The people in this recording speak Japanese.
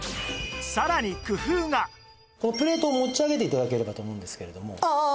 このプレートを持ち上げて頂ければと思うんですけれども。